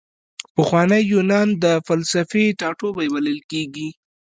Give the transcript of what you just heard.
پخوانی یونان د فلسفې ټاټوبی بلل کیږي.